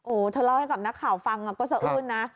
เธอเล่าให้กับนักข่าวฟังก็สะอื้นนะ